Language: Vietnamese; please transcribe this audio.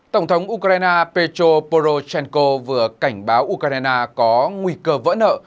tổng thống ukraine petro porochenko vừa cảnh báo ukraine có nguy cơ vỡ nợ